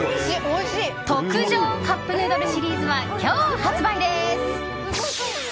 特上カップヌードルシリーズは今日発売です。